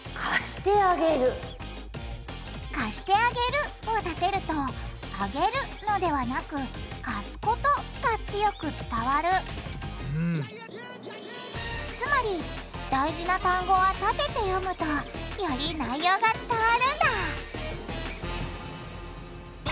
「貸してあげる」をたてるとあげるのではなく「貸すこと」が強く伝わるつまり大事な単語はたてて読むとより内容が伝わるんだ！